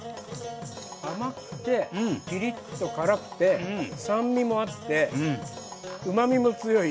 甘くてピリッと辛くて酸味もあってうまみも強い。